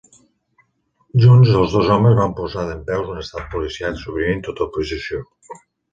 Junts, els dos homes van posar dempeus un estat policíac suprimint tota oposició.